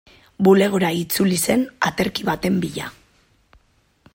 Bulegora itzuli zen aterki baten bila.